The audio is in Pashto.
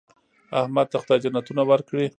احمد ته خدای جنتونه ورکړي.